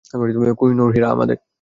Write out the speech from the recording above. কোহিনূর হীরা আমাদের।